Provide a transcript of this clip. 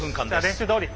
「練習どおり」。